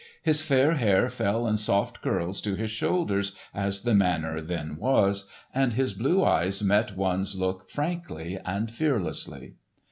His fair hair fell in soft curls to his shoulders, as the manner then was; and his blue eyes met one's look frankly and fearlessly.